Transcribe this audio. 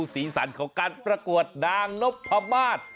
สีสันของกันปรากฏนางนพภาบาท